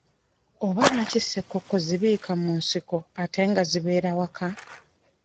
Oba lwaki ssekoko zibiika mu nsiko ate nga zibeera waka?